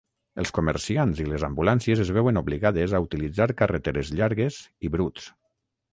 Els comerciants i les ambulàncies es veuen obligades a utilitzar carreteres llargues i bruts.